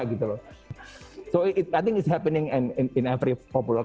jadi saya pikir ini terjadi di semua budaya populer